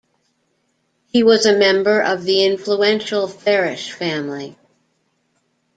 He was a member of the influential Farish family.